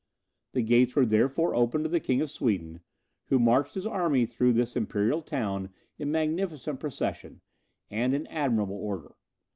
The gates were therefore opened to the King of Sweden, who marched his army through this imperial town in magnificent procession, and in admirable order.